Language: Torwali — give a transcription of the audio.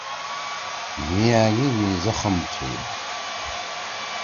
مھی أنگی می زخم تُھو۔